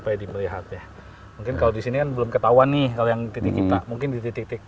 pede melihatnya mungkin kalau di sini kan belum ketahuan nih kalau yang tidak mungkin di titik